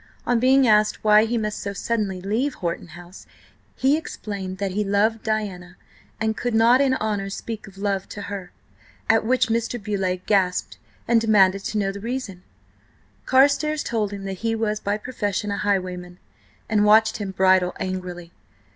On being asked why he must so suddenly leave Horton House, he explained that he loved Diana and could not in honour speak of love to her. At which Mr. Beauleigh gasped and demanded to know the reason. Carstares told him that he was by profession a highwayman, and watched him bridle angrily.